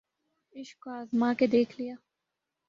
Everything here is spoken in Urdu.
عشق کو آزما کے دیکھ لیا